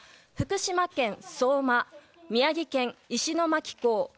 福島県相馬、宮城県石巻港